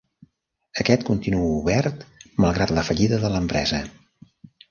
Aquest continua obert, malgrat la fallida de l'empresa.